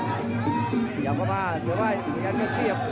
สวัสดีครับว่าสวัสดีครับ